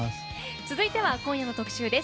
続いては今夜の特集です。